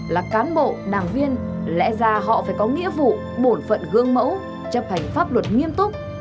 là cán bộ đảng viên lẽ ra họ phải có nghĩa vụ bổn phận gương mẫu chấp hành pháp luật nghiêm túc